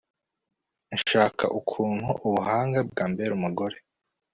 nshaka ukuntu ubuhanga bwambera umugore